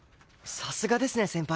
さすがですね先輩。